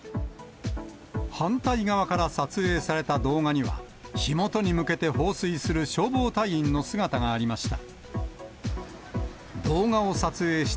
反対側から撮影された動画には、火元に向けて放水する消防隊員の姿がありました。